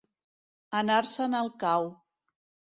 Anar-se'n al cau.